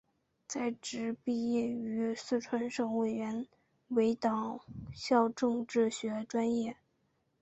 在职毕业于四川省委党校政治学专业。